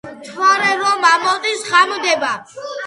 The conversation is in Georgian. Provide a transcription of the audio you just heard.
მთვარე რომ ამოდის ღამდება